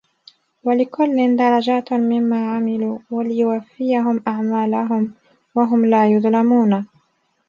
وَلِكُلٍّ دَرَجاتٌ مِمّا عَمِلوا وَلِيُوَفِّيَهُم أَعمالَهُم وَهُم لا يُظلَمونَ